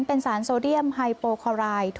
เป็นสารโซเดียมไฮโปคอราย